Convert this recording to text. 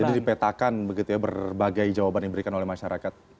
jadi dipetakan begitu ya berbagai jawaban yang diberikan oleh masyarakat